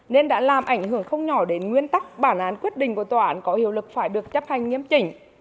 nên đã làm ảnh hưởng không nhỏ đến nguyên tắc bản án quyết định của tòa án có hiệu lực phải được chấp hành nghiêm chỉnh